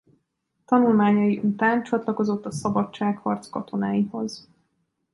Tanulmányai után csatlakozott a szabadságharc katonáihoz.